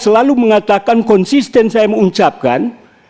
saya selalu mengatakan konsisten saya mengucapkan